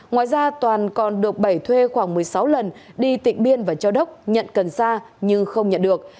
ngoài ra toàn còn được bảy thuê khoảng một mươi sáu lần đi tịnh biên và châu đốc nhận cần sa nhưng không nhận được